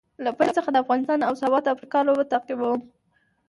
له پیل څخه د افغانستان او ساوت افریقا لوبه تعقیبوم